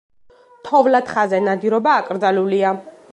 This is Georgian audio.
თოვლა თხაზე ნადირობა აკრძალულია.